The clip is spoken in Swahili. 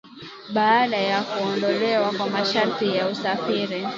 baada ya kuondolewa kwa masharti ya usafiri